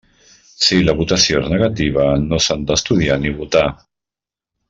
Si la votació és negativa, no s'han d'estudiar ni votar.